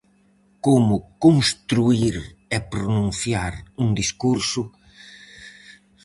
Como construír e pronunciar un discurso.